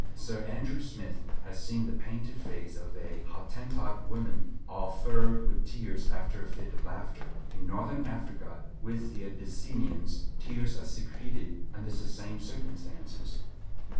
Sir Andrew Smith has seen the painted face of a Hottentot woman all furrowed with tears after a fit of laughter. In Northern Africa, with the Abyssinians, tears are secreted under the same circumstances.